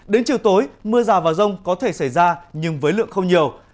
đến chiều tối mưa rào và rông có thể xảy ra nhưng với lượng không nhiều